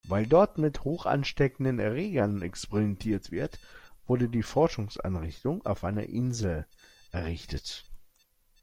Weil dort mit hochansteckenden Erregern experimentiert wird, wurde die Forschungseinrichtung auf einer Insel errichtet.